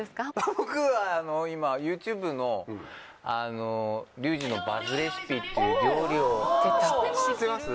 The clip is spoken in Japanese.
僕は今ＹｏｕＴｕｂｅの『リュウジのバズレシピ』っていう料理を知ってます？